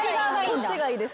こっちがいいです。